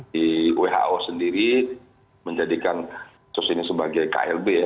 di who sendiri menjadikan sos ini sebagai klb ya